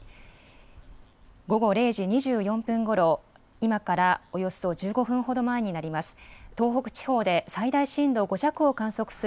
午後０時２４分ごろ、今からおよそ１５分ほど前になります。